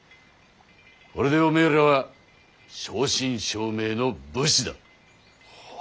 これでおめえらは正真正銘の武士だ。